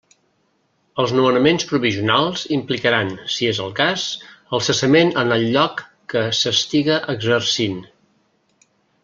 Els nomenaments provisionals implicaran, si és el cas, el cessament en el lloc que s'estiga exercint.